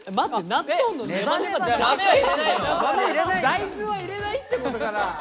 大豆は入れないってことかな？